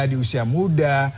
di usia muda